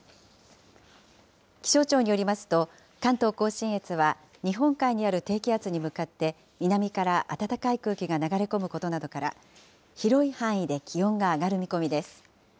気象庁によりますと、関東甲信越は、日本海にある低気圧に向かって、南から暖かい空気が流れ込むことなどから、広い範囲で気温が上がる見込みです。